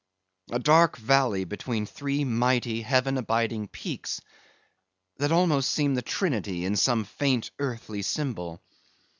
A dark valley between three mighty, heaven abiding peaks, that almost seem the Trinity, in some faint earthly symbol.